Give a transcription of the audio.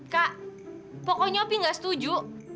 kak pokoknya opi gak setuju